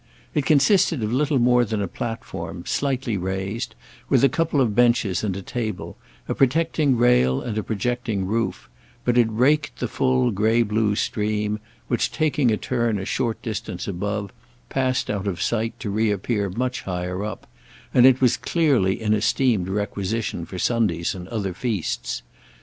It consisted of little more than a platform, slightly raised, with a couple of benches and a table, a protecting rail and a projecting roof; but it raked the full grey blue stream, which, taking a turn a short distance above, passed out of sight to reappear much higher up; and it was clearly in esteemed requisition for Sundays and other feasts.